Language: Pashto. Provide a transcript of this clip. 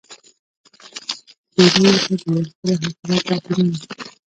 ډېریو ته د لوستلو حوصله پاتې نه ده.